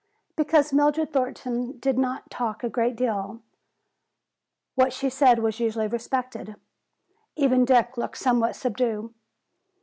Because Mildred Thornton did not talk a great deal, what she said was usually respected. Even Dick looked somewhat subdued.